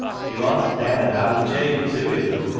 He wants Ben an' owd Jabe tew, if they'll cum."